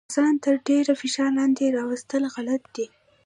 ځان تر ډیر فشار لاندې راوستل غلط دي.